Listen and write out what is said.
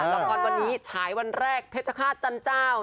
ละครวันนี้ฉายวันแรกเพชรฆาตจันเจ้า